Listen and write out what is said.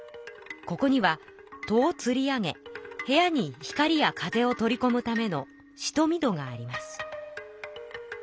ここには戸をつり上げ部屋に光や風を取りこむためのしとみ戸があります。